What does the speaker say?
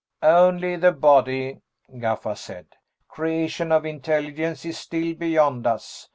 "Only the body," Gaffa said. "Creation of intelligence is still beyond us.